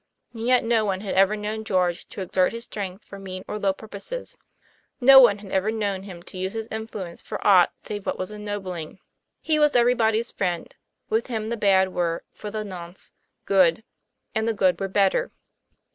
And yet no one had ever known George to exert his strength for mean or low purposes, no TOM PLAYFAIR. 57 one had ever known him to use his influence for aught save what was ennobling. He was everybody's friend with him the bad were, for the nonce, good; and the good were better.